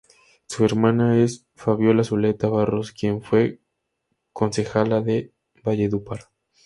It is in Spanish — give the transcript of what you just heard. Su hermana es Fabiola Zuleta Barros, quien fue concejala de Valledupar.